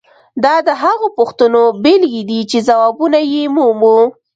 دا د هغو پوښتنو بیلګې دي چې ځوابونه یې مومو.